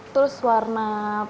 terus warna birunya dari bunga telang